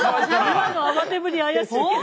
今の慌てぶり怪しいけど。